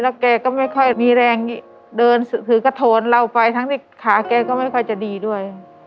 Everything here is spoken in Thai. แกก็ไม่ค่อยมีแรงเดินถือกระโทนเราไปทั้งที่ขาแกก็ไม่ค่อยจะดีด้วย